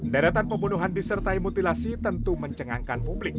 daratan pembunuhan disertai mutilasi tentu mencengangkan